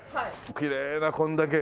きれいなこれだけ。